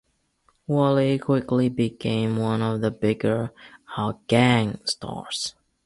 Wally quickly became one of the bigger "Our Gang" stars.